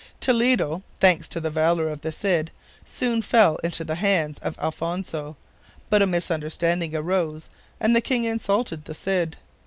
Toledo, thanks to the valor of the Cid, soon fell into the hands of Alfonso, but a misunderstanding arose and the king insulted the Cid.